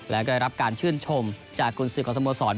และก็ได้รับการชื่นชมจากกุญศึกอสมสร